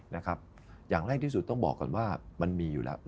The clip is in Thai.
นะครับอย่างแรกที่สุดต้องบอกก่อนว่ามันมีอยู่แล้ว